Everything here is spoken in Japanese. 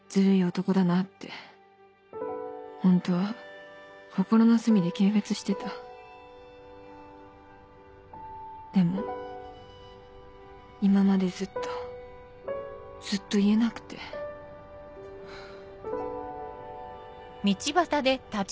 男だなってホントは心の隅で軽蔑してたでも今までずっとずっと言えなくてハァ。